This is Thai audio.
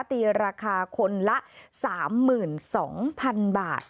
ตีราคาคนละ๓๒๐๐๐บาท